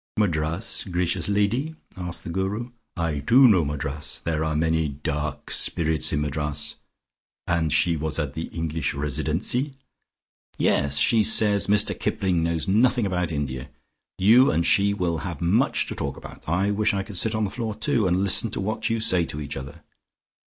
"Madras, gracious lady?" asked the Guru. "I, too, know Madras: there are many dark spirits in Madras. And she was at English Residency?" "Yes. She says Mr Kipling knows nothing about India. You and she will have much to talk about. I wish I could sit on the floor, too, and listen to what you say to each other."